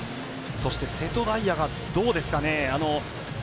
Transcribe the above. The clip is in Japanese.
そして、瀬戸大也がどうですかね。